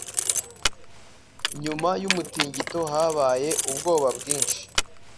nyuma y’umutingito habaye ubwoba bwinshi